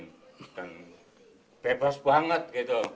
dan bebas banget gitu